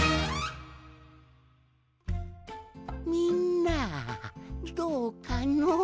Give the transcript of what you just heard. みんなどうかの？